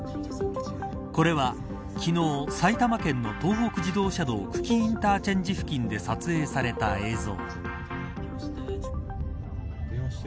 これは、昨日埼玉県の東北自動車道久喜インターチェンジ付近で撮影された映像。